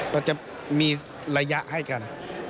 เราจะมีระยะให้กัน